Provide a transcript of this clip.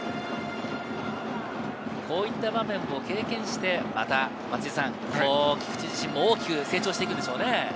こういった場面を経験して、また、菊地自身も大きく成長していくんでしょうね。